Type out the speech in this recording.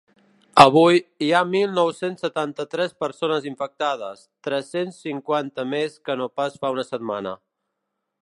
Avui hi ha mil nou-cents setanta-tres persones infectades, tres-cents cinquanta més que no pas fa una setmana.